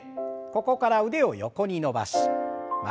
ここから腕を横に伸ばし曲げて。